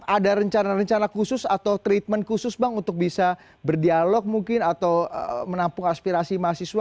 ada rencana rencana khusus atau treatment khusus bang untuk bisa berdialog mungkin atau menampung aspirasi mahasiswa